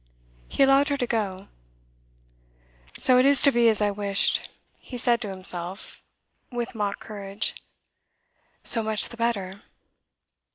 He allowed her to go. 'So it is to be as I wished,' he said to himself, with mock courage. 'So much the better.